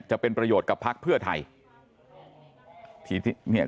จะเป็นประโยชน์กับพักเพื่อไทย